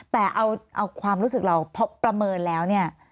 แต่เอาความรู้สึกเราพอประเมินแล้วเนี่ย